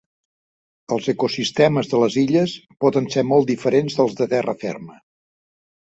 Els ecosistemes de les illes poden ser molt diferents dels de terra ferma.